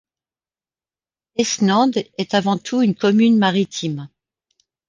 Esnandes est avant tout une commune maritime.